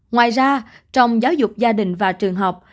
ngoài ra trong giáo dục gia đình và trường học